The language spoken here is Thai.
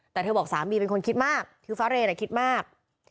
แต่เธอบอกสามีเป็นคนคิดมากคือฟ้าเรนคิดมาก